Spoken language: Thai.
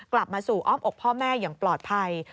กลับมาสู่อ้อมอกพ่อแม่อย่างปลอดภัย